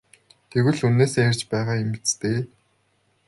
Тэгвэл үнэнээсээ ярьж байгаа юм биз дээ?